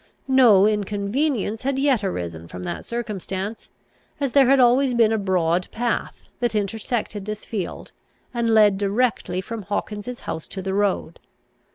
No inconvenience had yet arisen from that circumstance, as there had always been a broad path, that intersected this field, and led directly from Hawkins's house to the road.